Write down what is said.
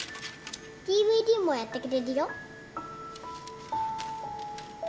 ＤＶＤもやってくれるよ。